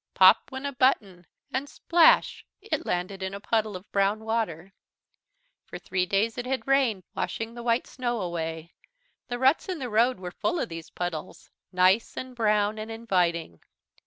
Pop went a button and splash it landed in a puddle of brown water. For three days it had rained, washing the white snow away. The ruts in the road were full of these puddles, nice and brown and inviting.